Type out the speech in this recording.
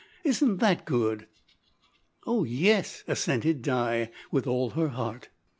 Isn't that good?" "Oh! yes," assented Di, with all her heart.